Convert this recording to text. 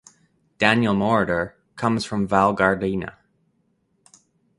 Daniel Moroder comes from Val Gardena.